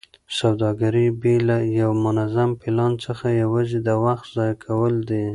سوداګري بې له یوه منظم پلان څخه یوازې د وخت ضایع کول دي.